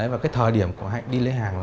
và cái thời điểm của hạnh đi lấy hàng